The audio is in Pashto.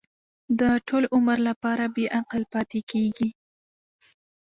د ټول عمر لپاره بې عقل پاتې کېږي.